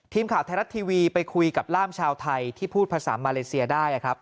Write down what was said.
ทีมข่าวไทยรัฐทีวีไปคุยกับล่ามชาวไทยที่พูดภาษามาเลเซียได้ครับ